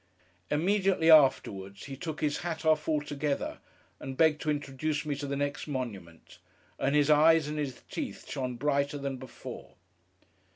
Immediately afterwards, he took his hat off altogether, and begged to introduce me to the next monument; and his eyes and his teeth shone brighter than before.